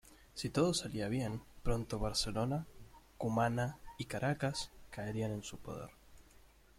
Si todo salía bien, pronto Barcelona, Cumaná y Caracas caerían en su poder.